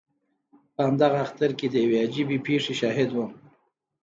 په همدغه اختر کې د یوې عجیبې پېښې شاهد وم.